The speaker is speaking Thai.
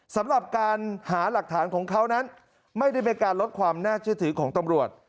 สำหรับการหาหลักฐานของเขานั้นไม่ได้เป็นการลดความน่าเชื่อถือของตำรวจ